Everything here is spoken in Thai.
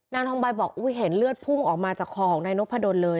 นางทองใบบอกเห็นเลือดพุ่งออกมาจากคอของนายนพดลเลย